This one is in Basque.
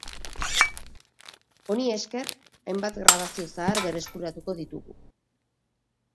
Honi esker, hainbat grabazio zahar berreskuratuko ditugu.